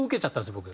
僕。